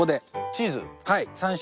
チーズ？